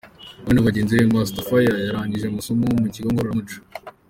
Hamwe na bagenzi be, Master Fire yarangije amasomo mu kigo ngororamuco.